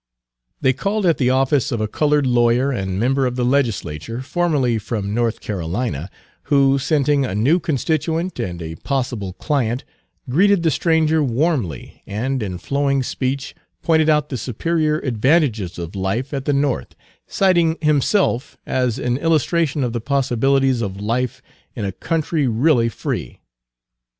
They called at the office of a colored lawyer and member of the legislature, formerly from North Carolina, who, scenting a new constituent and a possible client, greeted the stranger warmly, and in flowing speech pointed out Page 234 the superior advantages of life at the North, citing himself as an illustration of the possibilities of life in a country really free.